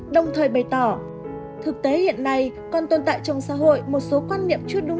đồng thời bày tỏ thực tế hiện nay còn tồn tại trong xã hội một số quan niệm chưa đúng